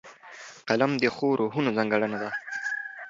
قلم د ښو روحونو ځانګړنه ده